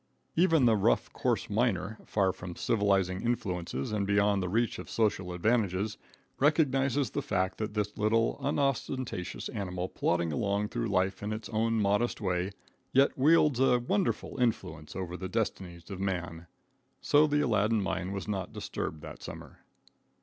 Even the rough, coarse miner, far from civilizing influences and beyond the reach of social advantages, recognizes the fact that this Little, unostentatious animal plodding along through life in its own modest way, yet wields a wonderful influence over the destinies of man. So the Aladdin mine was not disturbed that summer.